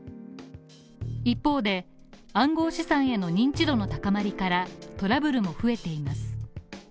一方で、暗号資産への認知度の高まりから、トラブルも増えています。